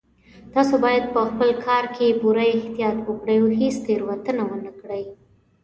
تاسو باید په خپل کار کې پوره احتیاط وکړئ او هیڅ تېروتنه ونه کړئ